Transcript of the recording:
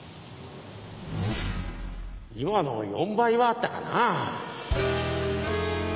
今の４倍はあったかなぁ。